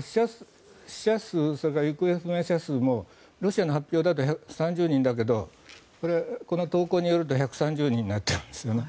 死者数、それから行方不明者数もロシアの発表だと３０人だけどこの投稿によると１３０人になってますよね。